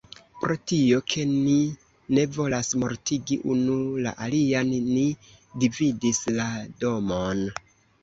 Pro tio, ke ni ne volas mortigi unu la alian, ni dividis la domon.